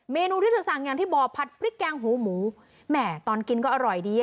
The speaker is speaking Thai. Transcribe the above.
เมนูที่เธอสั่งอย่างที่บอกผัดพริกแกงหูหมูแหม่ตอนกินก็อร่อยดี